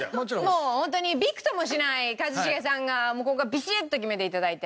もうホントにビクともしない一茂さんがここはビシッと決めて頂いて。